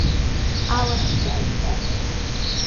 Алацәгьа рымазаргьы!